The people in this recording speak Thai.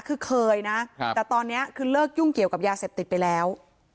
คือเคยนะแต่ตอนนี้คือเลิกยุ่งเกี่ยวกับยาเสพติดไปแล้ว